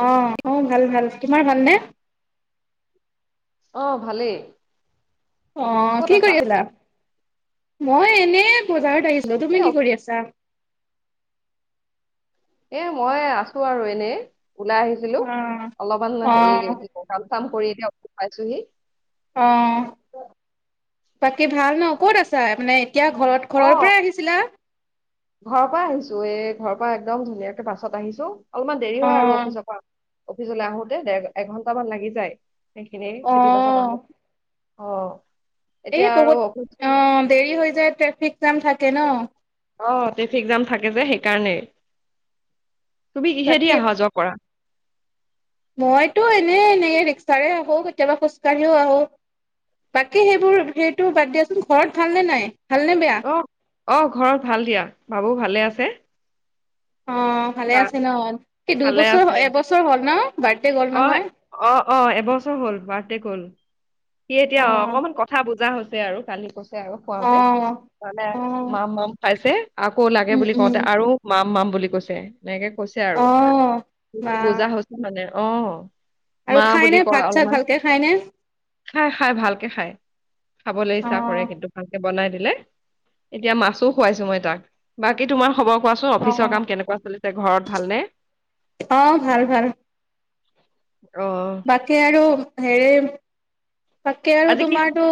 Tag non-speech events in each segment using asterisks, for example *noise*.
অ', অ', ভাল-ভাল তোমাৰ ভালনে? অহ, ভালেই। অ, ক'ত কি আছা কৰি আছিলা মই এনে বজাৰ ত' আহিছিলো এ তুমি অ- কি কৰি আছা? এ মই আছো আৰু এনেই। ওলাই আহিছিলো অ অলপমান অ হেৰি কি কাম চাম কৰি এতিয়া পাইছোহি। অ, বাকী ভাল ন' ক'ত আছা মানে এতিয়া ঘৰত অ ঘৰৰ পৰাই আহিছিলা? ঘৰৰ পৰা আহিছো এই ঘৰৰ পৰা একদম ধুনীয়াকে বাছত আহিছো অলপমান দেৰি অ হয় আৰু অফিচৰ পৰা। অফিচলৈ আহোতে দেৰ, এঘন্টামান লাগি যায়, সেইখিনি অ চিটি বাছত আহোতে। অ'। এই এতিয়া আৰু বহুত, অফিচ অ', দেৰি হৈ যায় ট্ৰেফিক জাম থাকে ন। অ, ট্ৰেফিক জাম থাকে যে, সেইকাৰণেই তুমি কিহেদি তাকে অহা যোৱা কৰা? মইতো এনেই এনেকে ৰিক্সাৰে আহো, কেতিয়াবা খোজ কঢ়িও আহো। বাকী, সেইবোৰ সেইটো বাদ দিয়াচোন, ঘৰত ভালনে নাই? ভালনে বেয়া অ', অ', ঘৰত ভাল দিয়া, বাবু ভালে আছে। অ, ভালে বা আছে ন, স ভালে দুইবছৰ, আছে এবছৰ হ'ল ন, বাৰ্থডে গ'ল অ নহয়? অ অ, এবছৰ হ'ল, বাৰ্থডে গ'ল। সি অ এতিয়া অকনমান কথা বুজা হৈছে, আৰু কালি কচ আৰু অ খোৱা তানে, অ মাম-মাম খাইছে। আকৌ লাগে উম বুলি উম কওঁতে, আৰু মাম-মাম বুলি কৈছে। এনেকে কৈছে, অ আৰু বা বুজা হৈছে, মানে অ, মা আৰু খাইনে ভাত চাত ভালকে খাই নে। খাই-খাই ভালকে খাই, খাবলৈ অ ইচ্ছা কৰে কিন্তু ভালকে বনাই দিল এতিয়া মাছো খুৱাইছো মই তাক, বাকী তোমাৰ খবৰ খোৱাচোন অফিচৰ কাম কেনেকুৱা চলি আহ' ভাল-ভাল। অ বাকী, আৰু হেৰে তাকে, আৰু আজি কি তোমাৰো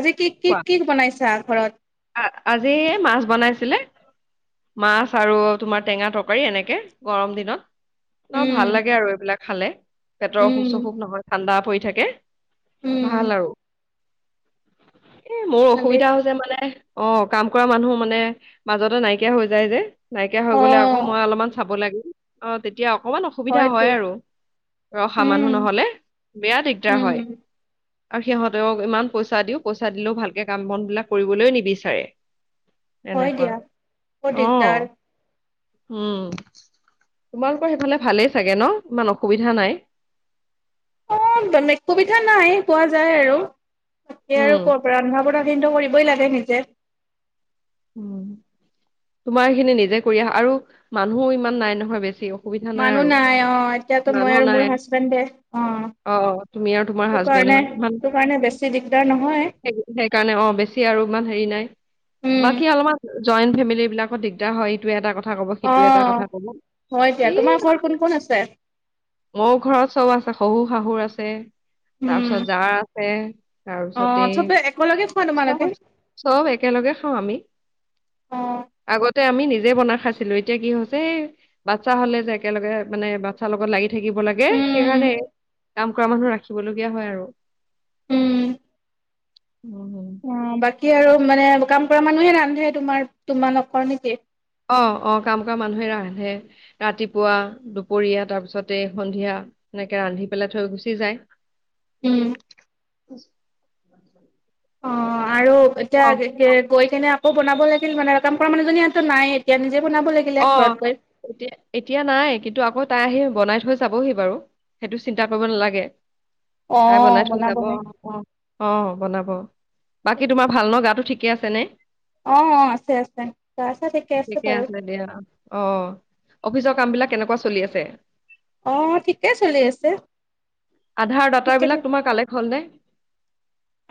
আজি কি', কি', খোৱা কি', বনাইছা ঘৰত। আ' আজি মাছ বনাইছিলে মাছ আৰু তোমাৰ টেঙা তৰকাৰী এনেকে গৰম দিনত ন উম ভাল লাগে আৰু এইবিলাক খালে পেটৰ অসুখ- উম অসুখ নহয় ঠাণ্ডা পৰি থাকে উম ভাল আৰু এ মোৰ ভালেই অসুবিধা হৈছে মানে অ' কাম কৰা মানুহ মানে মাজতে নাইকিয়া হৈ যায় যে, নাইকিয়া হৈ অ গলে আকৌ মই অলপমান চাব লাগ অ তেতিয়া অকমান অসুবিধা হয়তো হয় আৰু ৰহা উম মানুহ নহলে, বেয়া দিগদাৰ উম হয়। আৰু সিহঁতক ইমান পইচা দিও, পইচা দিলেও ভালকে কাম বন বিলাক কৰিবলৈ নিবিচাৰে। হয় এনেকুৱা দিয়া বৰ দিগদাৰ অ', উম। তোমালোকৰ সেইফালে ভালেই চাগে ন, ইমান অসুবিধা নাই। অ' বেলেগ *unintelligible* নাই পোৱা যায় আৰু তাকে আৰু উম কৰ পৰা ৰন্ধা বঢ় *unintelligible* কৰিবই লাগে নিজে। উম, তোমাৰ এইখিনি নিজে কৰি আহা, আৰু মানুহো ইমান নাই নহয় বেছিও। মানুহ নাই অ', এতিয়াতো মই আৰু মোৰ নাই হাজবেণ্ডে এ। অ', অ', তুমি আৰু তোমাৰ তো হাজবেণ্ডে কাৰণে, ইমান তো কাৰণে, বেছি দিগদাৰ নহয়। সেইকাৰণে, অ', বেছি আৰু ইমান হেৰি নাই। উম, বাকী, অলপমান জইণ্ট ফেমিলি বিলাকত দিগদাৰ হয়, ইটোয়ে এটা কথা *unintelligible* সেইটোৱে এটা কথা অ'। কব হয় দিয়া, তোমাৰ ঘৰত *unintelligible* কোন কোন আছে? অ', ঘৰত চব আছে, শহু-শাহুৰ আছে। উম, তাৰপিছত, জাৰ আছে, তাৰপিছতে অ', এই চবে একেলগে খোৱা চব, তোমালোকে? *unintelligible* চব একেলগে খাওঁ আমি। অ', আগতে আমি নিজে বনাই খাইছিলো। এতিয়া কি হৈছে, এই বাচ্ছা হলে যে, একেলগে মানে বাচ্ছাৰ লগত লাগি থাকিব লাগে, উম, সেইকাৰণে কাম কৰা মানুহ ৰাখিবলগীয়া হয় আৰু। উম। অ', বাকী, আৰু মানে, কাম কৰা মানুহে ৰান্ধে, তোমাৰ, তোমালোকৰ নেকি? অ', অ', কাম কৰা মানুহে ৰান্ধে, ৰাতিপুৱা, দুপৰীয়া, তাৰপিছতে সন্ধিয়া। এনেকে ৰান্ধি পেলাই থৈ, গুচি যায়। উম। *unintelligible* অ আৰু এতিয়া অ', গৈ কিনে আকৌ বনাব লাগিল, মানে, কাম কৰা মানুহজনী ইতো নাই, এতিয়া নিজে বনাব লাগিলে অ', ঘৰত গৈ। এতিয়া, এতিয়া নাই, কিন্তু আগত তাই আহি বনাই থৈ যাবহি বাৰু সেইটো চিন্তা কৰিব নালাগে। অ আহিব নাই শন বনাব যাব লাগে। অ, অ, বনাব বাকী তোমাৰ ভাল ন গাটো ঠিকে আছেনে? অ', অ', আছে-আছে গাচা ঠিকে আছে বাৰু। দিয়া অ, অফিচৰ কামবিলাক কেনেকুৱা চলি আছে? অ ঠিকে চলি আছে। আধাৰ ডাট ঠিকে বিলাক তোমাৰ কালেক্ট হল নে?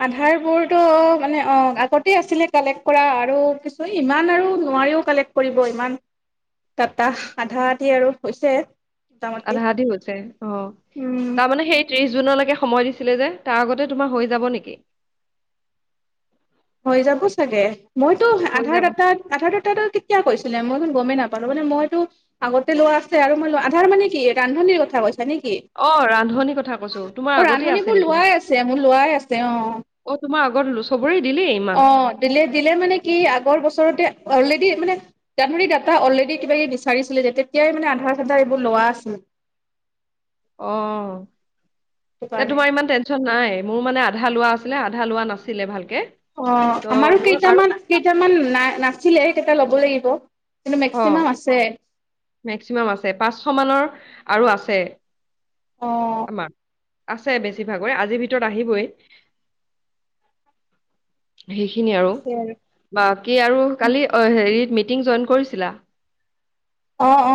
আধাৰবোৰটো মানে অ, আগতে আছিলে কালেক্ট কৰা আৰু কিছু ইমান আৰু নাৰিও কালেক্ট কৰিব ইমান টাটা আধা আধি আৰু হৈছে। মোটামুটি আধা আধি হৈছে অ, উম। তাৰমানানে সেইটো ত্ৰিশ জুনলৈকে সময় দিছিলে যে তাৰ আগতে তোমাৰ হৈ যাব নেকি। হৈ যাব চাগে মইতো হৈ আধাৰ যাব। দটাাত আধা ডটা কেতিয়া কৈছিলে মই গমেই নাপালো মানে মইতো আগতে লোৱা আছে আৰু মই আধাৰ মানে কি ৰান্ধনিৰ কথা কৈছা নেকি? অ', ৰান্ধনী কথা কৈছো, তোমাৰ অ আগতেই আছে ৰান্ধনীবোৰ নেকি? লোৱাই আছে মোৰ লোৱাই আছে অ' অ, তোমাৰ আগতলোবৰেই দি অ, দিলে - দিলে মানে কি আগৰ বছৰতে দি মানে ত ধৰি দা অলৰেডি কিবাকিবি বিচাৰিছিলে যে তেতিয়াই মানে আধাৰ চাধাৰ এইবোৰ লোৱা আছিল। *inaudible* অ, সেইটো এ কাৰণে তোমাৰ ইমান টেনচন নাই মোৰ মানে আধা লোৱা আছে। আধা লোৱা নাছিলে ভালকে। অ, ত' আমাৰো মোৰ আৰু কেইটামান - কেইটামান না নাছিলে সেই কেইটা লব লাগিব। কিন্তু অ, মেক্সিমাম আছে মেক্সিমাম আছে পাচশ মানৰ আৰু আছে অ আমৰ। আছে বেছিভাগই আজিৰ ভিতৰত আহিবই সিন আৰু বাকি আৰু কালি হেৰিত মিটিং জইন কৰিছিলা? অ - অ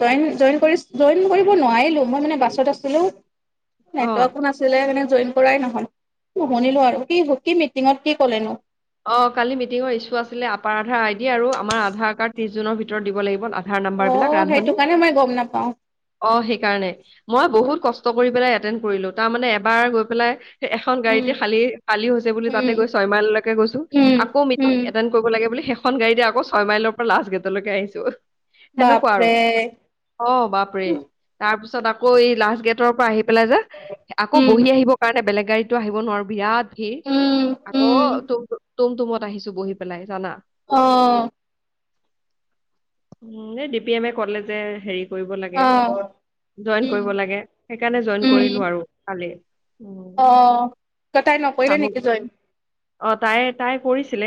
জইন - জইন- জইন কৰিব নোৱাৰিলো মই মানে বাছত আছিলো। অ'। নেটৱৰক নাছিলে মানে জইন কৰাই নহয়ু শুনিলো আৰু কি - কি মিটিঙত কি কলেনো? অ কালি মিটিঙৰ ইছ্যু আছিলে আপাৰ আধাৰ আই ডি আৰু আমাৰ আধাৰ কাৰ্ড ত্ৰিশ জুনৰ ভিতৰত দিব লাগিব আধাৰ নাম্বৰ অ বিলাক সেইটো ৰান্ধনী কাৰণে মই গম নাপাও অ, সেইকাৰণে মই বহুত কষ্ট কৰি পেলাই এটেড কৰিলো তাৰ মানে এবাৰ গৈ পেলাই এখন উম গাড়ীতে খালি - খালি হৈছে বুলি উম তাতে গৈ ছয়মাইললৈকে গৈছো উম আকৌ মিটিং উম এটেণ্ড কৰিব লাগে বুলি শে এখন গাড়ী দ আকৌ ছয় মাইলৰ পৰা লাষ্ট গেটলৈকে আহিছো সেনেকুৱা আৰু বাপৰে অ, বাপ তাৰ পিছত আকৌ এই লাষ্ট গেটৰ পৰা আহি পেলাই যে আকৌ উম বহি আহিবৰ কাৰণে বেলেগ গাড়ীতো আহিব নোৱাৰো বিৰাত ভিৰ উম উম আকৌুম তুমত তুমত আহিছো বহি পেলাই জানা। অ', উম, এই ডি পি এমে কলে যে হেৰি কৰিব লাগে অ জইন উম কৰিব লাগে সেইকাৰণে জইন কৰিলো আৰু কালি। উম, আহ ত তাই নকৰিলে চাহু নেকি জইন? অ, তাই তাই কৰিছিলে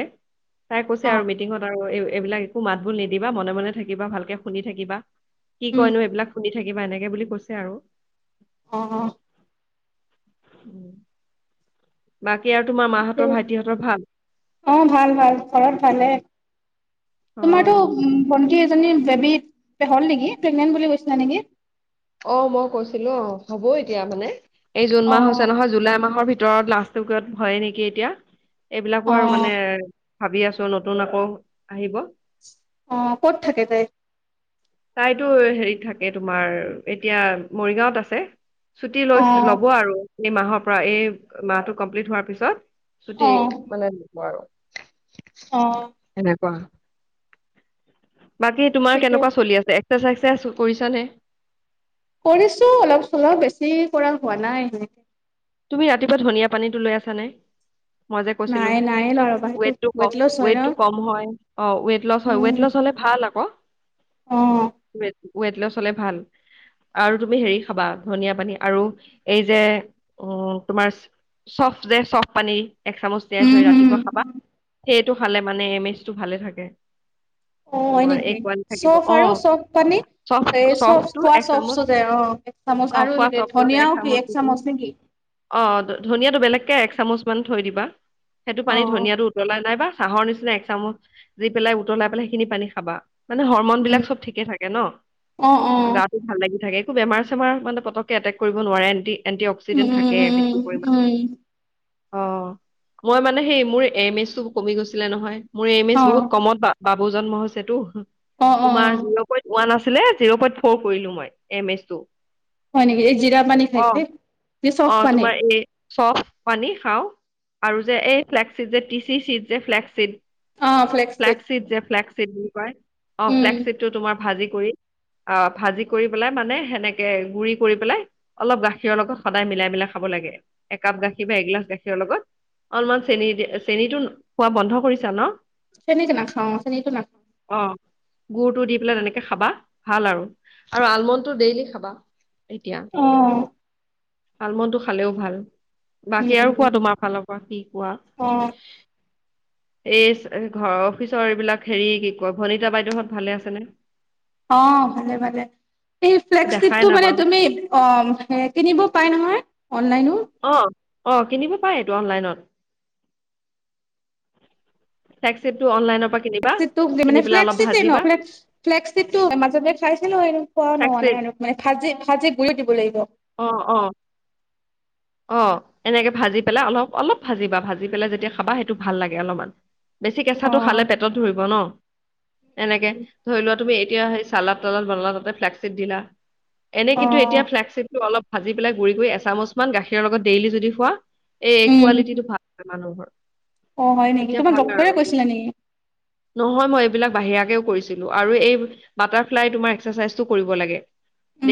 তাই কৈছে অ আৰু মিটিঙত আৰু এই এইবিলাক একো মাত বোৰ নিদিবা মনে মনে থাকিবা ভালকে শুনি থাকিবা কি উম কইনো এইবিলাক শুনি থাকিবা এনেকে বুলি কৈছে আৰু অ- অ। বাকী আৰু তোমাৰ মাহঁতৰ ভাইটিহঁতৰ ভাল? অ, ভাল - ভাল ঘৰত ভালে। অ', তোমাৰতো ভণ্টি এজনী বেবী হ'ল নেকি প্ৰেগনেন্ট বুলি কৈছিলা নেকি? অ, মই কৈছিলো অ, হ'ব এতিয়া মানে এই জুন অ মাহ হৈছে নহয় জুলাই মাহৰ ভিতৰত ভিতৰত লাষ্টত ভয়ে নেকি এতিয়া এইবিলাকো অ আৰু মানে ভাবি আছো নতুন আকৌ আহিব। অ, ক'ত থাকে তাই? তাইতো হেৰিত থাকে তোমাৰ এতিয়া মৰিগাৱত আছে। ছুটি লৈ অ ল'ব আৰু এই মাহৰ পৰা এই মাহটো কমপ্লিট হোৱাৰ পিছত। অ ছুটি মানে ন আৰু। অ', কোৱা? বাকী তোমাৰ ঠিকে কেনেকুৱা চলি আছে এক্সাৰ চাচচাইজ কৰিছা নে? কৰিছোঁ অলপ চলপ বেছি কৰা হোৱা নাই। তুমি ৰাতিপুৱা ধনিয়া পানীটো লৈ আছানে? মই যে কৈছিলোঁ, নাই নাই লোৱা ৰ'বা সেইটো ৱেটটো কম, ৱেট লছ হয় ন ৱেটটো কম হয় অ, ৱেট লছ হয় ৱেট উম লছ হ'লে ভাল আকৌ, অ ৱেট ৱেট লছ হ'লে ভাল, আৰু তুমি হেৰি খাবা ধনিয়া পানী আৰু, এই যে উম তোমাৰ, চফ যে চফ পানী এক চামুচ তিয়াই উম থৈ হম ৰাতিপুৱা খাবা। সেইটো খালে মানে এম এইজটো ভালে থাকে। অ হয় তোমাৰ নেকি এক ৱান থাকিব চফ অ, আৰু চফ পানী চফ এই চফ চফটোৰ খোৱা এ চফ চামুচ, যে অ এক চামুচ অ, আৰু খোৱা চফটো যে ধনিয়াও এক কি চামূচ চামুচ *unintelligible* নেকি অ', ধনিয়াটো বেলেগকে এক চামুচ মান থৈ দিবা। সেইটো অ পানী ধনিয়াটো উতলাই নাই বা চাহৰ নিচিনা এক চামুচ দি পেলাই উতলাই পেলাই সেইখিনি পানী খাবা। মানে হৰমন বিলাক উম চব ঠিকে থাকে ন', অ অ গাটো ভাল লাগি থাকে। বেমাৰ চেমাৰ মানে পতককে এটেক কৰিব নোৱাৰে এণ্টি এণ্টি উম ক্সিডেণ্ট থাকে উম উম উম বেছি পৰিমাণ। উম অ', মই মানে সেই মোৰ এম এইজটো কমি গৈছিলে নহয় মোৰ এম এইজ অ বহুত কমত পা *unintelligible* *unintelligible* হৈছেতো, অ অ তোমাৰ জিৰো পইণ্ট ওৱান আ জ' পই ফ' কৰিলো মই এছ টো। হয় নেকি এই জিৰা পানী খাই, খায়, নে অ চফ পানী? তোমাৰ এই চফ পানী খাওঁ আৰু যে এই ফ্লেকট যে টি চি চিট যে ফ্লেক চিট অ ফ্লেক ফ্লেক্সিড যে ফ্লেকচিট বুলি কয় অ', উম ফ্লেকটটো তোমাৰ ভাজি কৰি অ', ভাজি কৰি পেলাই মানে সেনেকে গুৰি কৰি পেলাই অলপ গাখীৰৰ লগত সদায় মিলাই মিলাই খাব লাগ। লে একাপ গাখীৰ বা এগিলাছ গাখীৰ লগত অলপমান চেনি চেনিটো খোৱা বন্ধ কৰিছা ন'। চেনি নাখাওঁ, চেনিকো নাখাওঁ। অ' গুৰটো দি পেলাই তেনেকে খাবা ভাল আৰু আৰু আলমণ্ডটো ডেইলি খাবা। এতিয়া অ ফালমূলটো খালেও ভাল, উম বাকী উম আৰু খোৱা তোমাৰ ফালৰ কি কোৱা অ এই এই ঘৰৰ অফিচৰ এইবিলাক, হেৰি কি কয় ভনীতা বাইদেউহত ভালে আছেনে? অ', ভালে, ভালে। সেই ফ্লেক দেখাই চিডটো মানে নাপাওঁ তুমি অ', কিনিব পাই নহয় অনলাইনো। অ', অ', কিনিব পাৰেটো অনলাইনত। ফ্লেকচিডটো অনলাইনৰ পৰা কিনিবা ফ্লেকচিডটো কিনি মানে পেলাই অলপ ফ্লেকচিডেই ভাজিবা ন' ফ্লেকচিডটো মাজতে খাইছিলো সেইটো খোৱা নহ'ল ফ্লেগশ্বিপ না মানে ভাজি, ভাজি গৰি দিব লাগিব। অ', অ'। অ', এনেকে ভাজি পেলাই অলপ অলপ ভাজিবা ভাজি পেলাই যেতিয়া খাবা সেইটো ভাল লাগে অলপমান। বেছি অ কেঁচাটো খালে পেটত ধৰিব ন'। এনেকে ধৰি লোৱা তুমি এতিয়া সেই চালাদ তালাদ বনালা তাতে ফ্লেক চিড দিলা। এনে অ কিন্তু এতিয়া ফ্লেক চিডটো অলপ ভাজি পেলাই গুৰি কৰি এচামুচ মান গাখীৰৰ লগত ডেইলি যদি খোৱা এ উম কোৱালিটিটো ভাল মানুহৰ। অ হয় নেকি এতিয়া তোমাক ভাল ডক্তৰে আৰু, কৈছিলে নেকি নহয় মই বিলাক বাহিৰাকেও কৰিছিলো আৰু এই বাটাৰ ফ্লাই তোমাৰ এক্সাৰচাইজটো কৰিব লাগে।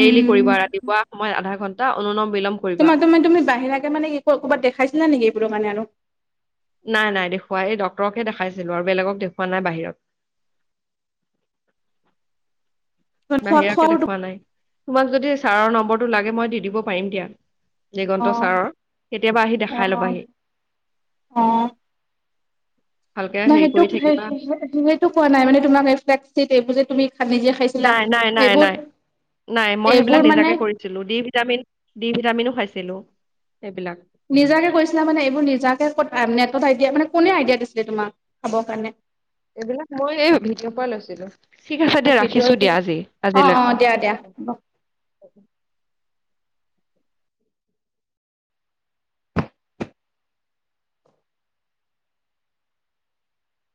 ডেইলি কৰিবা ৰাতিপুৱা সময়ত আধা ঘন্টা অনলম বিলম কৰিবা। তোমাৰ তুমি তুমি বাহিৰাকে মানে কি ক'ৰবাত দেখাইছিল নে নেকি এইবোৰো মানে আৰু? নাই, নাই দেখুওৱা এই ড্ক্তৰকহে দেখাইছিলো আৰু বেলেগক দেখুৱা নাই বাহিৰত। *inaudible* খোৱা বাহিৰাকে খোৱাৰ দেখুৱা নাই, তোমাক যদি ছাৰৰ নম্বৰটো লাগে মই দি দিব পাৰিম দিয়া। অ দিগন্ত ছাৰৰ, কেতিয়াবা আহি অ দেখাই ল'বাহি। ভালকে হেৰি নহয়, কৰি থাকিবা সেইটো, সেইটো কোৱা নাই মানে তোমাক তুমি নিজে খাইছিলা নাই, নাই, নাই, এইবোৰ নাই। নাই মই সেইবিলাক এইবোৰ মানে নিজাকে কৰিছিলোঁ ডি ভিটামিন, ডি ভিটামিনো খাইছিলো। সেইবিলাক নিজাকে কৈছিলা মানে এইবোৰ নিজাকে ক'ত পাই মানে কটা এতিয়া মানে কোনে আইডিয়া দিছিলে তোমাক, খাবৰ কাৰণে? এইবিলাক মই এই ভিডিঅ' পৰা লৈছিলো ঠিক আছে অ দিয়া ৰাখিছো দিয়া আজি আজিলৈ অ'। বা *inaudible*